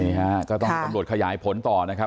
นี่ค่ะก็ต้องการบริโรธขยายผลต่อนะครับ